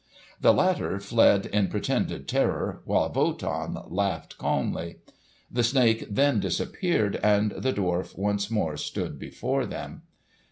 The latter fled in pretended terror, while Wotan laughed calmly. The snake then disappeared, and the dwarf once more stood before them.